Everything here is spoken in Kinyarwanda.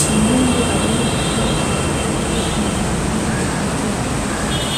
Umuhungu arimo gutwara plastike yunamye hejuru yurubura